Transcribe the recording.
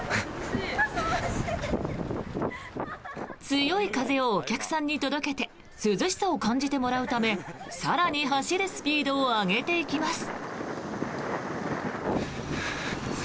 強い風をお客さんに届けて涼しさを感じてもらうため更に走るスピードを上げていきます。